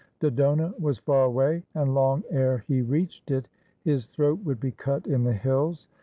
Dodona was far away, and long ere he reached it his throat would be cut in the hills.